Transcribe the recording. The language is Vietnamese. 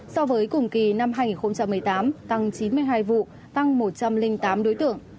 so với cùng kỳ năm hai nghìn một mươi tám tăng chín mươi hai vụ tăng một trăm linh tám đối tượng